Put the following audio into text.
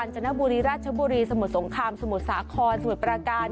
จันทบุรีราชบุรีสมุดสงครามสมุดสาคอนสมุดปราการ